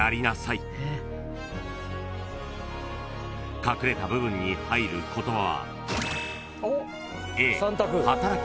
［隠れた部分に入る言葉は］